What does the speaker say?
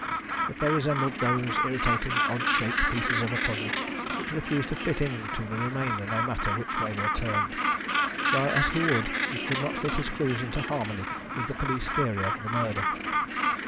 But they resembled those irritating odd shaped pieces of a puzzle which refuse to fit into the remainder no matter which way they are turned. Try as he would, he could not fit his clues into harmony with the police theory of the murder.